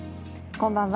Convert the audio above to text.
こんばんは。